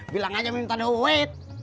bilang aja minta deh wey